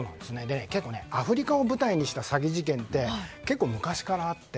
結構、アフリカを舞台にした詐欺事件って結構、昔からあって。